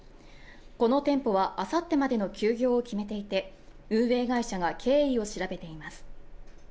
この店舗はあさってまでの休業を決めていて運営会社が経緯を調べています